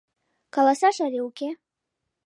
Каласаш але уке?